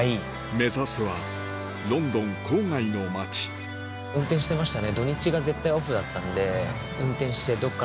目指すはロンドン郊外の街運転してましたね。